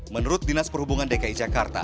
menurut dinas perhubungan dki jakarta